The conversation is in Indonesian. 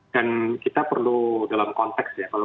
dan kita perlu dalam konteks ya